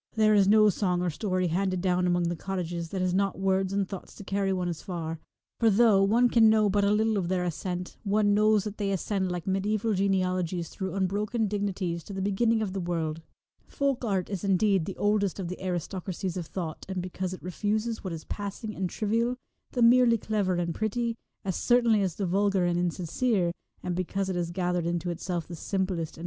There is no song or story handed down among the cottages that has not words and thoughts to carry one as far, for though one can know but a little of their ascent, one knows that they ascend like medieval genealogies through unbroken dignities to the beginning of the world. Folk art is, indeed, the oldest of the aristocracies of thought, and because it refuses what is passing and trivial, the merely clever and pretty, as certainly as the vulgar and insincere, and because it 232 has gathered into itself the simplest and By the r ill i r \ Roadside.